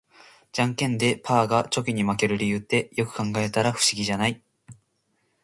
ジャンケンでパーがチョキに負ける理由って、よく考えたら不思議じゃない？